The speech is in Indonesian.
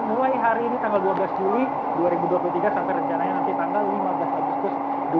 mulai hari ini tanggal dua belas juli dua ribu dua puluh tiga sampai rencananya nanti tanggal lima belas agustus dua ribu dua puluh